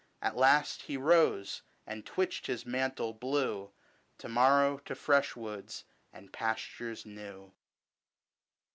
At last he rose, and twitched his mantle blue : To morrow to fresh woods, and pastures new.